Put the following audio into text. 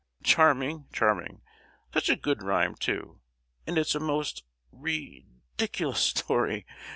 Charming, charming—such a good rhyme too; and it's a most ri—diculous story!